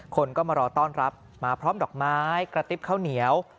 คนก็มารอต้อนรับมาพร้อมดอกไม้กระติ๊บข้าวเหนียว